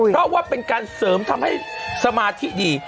เพราะว่าเป็นการเสริมทำให้สมาธิดี